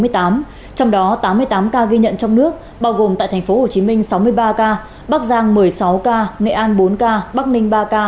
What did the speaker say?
trong đó tám mươi tám ca ghi nhận trong nước bao gồm tại tp hcm sáu mươi ba ca bắc giang một mươi sáu ca nghệ an bốn ca bắc ninh ba ca